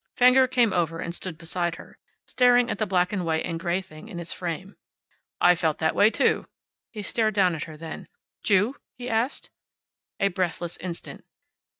Fenger came over and stood beside her, staring at the black and white and gray thing in its frame. "I felt that way, too." He stared down at her, then. "Jew?" he asked. A breathless instant.